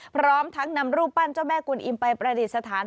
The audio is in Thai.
พร้อมทั้งนำรูปปั้นเจ้าแม่กุลอิมไปประดิษฐาน